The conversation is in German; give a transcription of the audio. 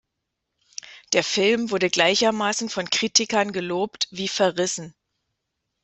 Der Film wurde gleichermaßen von Kritikern gelobt wie verrissen.